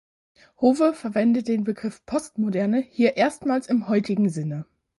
Howe verwendet den Begriff „Postmoderne“ hier erstmals im heutigen Sinne.